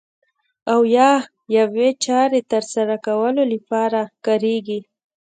او یا یوې چارې ترسره کولو لپاره کاریږي.